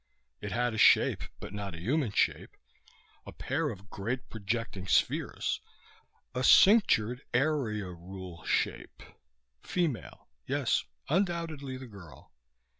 It had a shape, but not a human shape a pair of great projecting spheres, a cinctured area rule shape. Female. Yes, undoubtedly the girl.